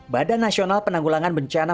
badan nasional penanggulangan bencana